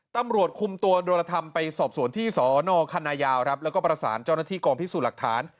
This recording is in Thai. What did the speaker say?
ตำรวจคุมตัวโดรธรรมไปสอบสวนที่สนคณะยาวครับแล้วก็ประสานเจ้าหน้าที่กองพิสูจน์หลักฐาน